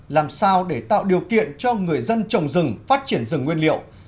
làm sao để tạo điều kiện cho người dân trồng rừng phát triển rừng nguyên liệu